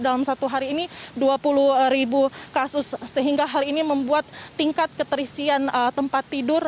dalam satu hari ini dua puluh ribu kasus sehingga hal ini membuat tingkat keterisian tempat tidur